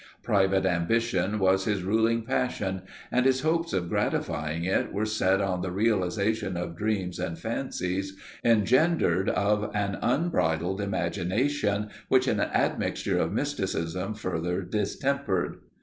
Private ambition was his ruling passion, and his hopes of gratifying it were set on the realization of dreams and fancies, engendered of an unbridled imagination, which an admixture of mysticism further distempered.